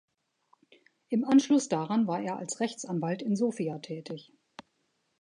Im Anschluss daran war er als Rechtsanwalt in Sofia tätig.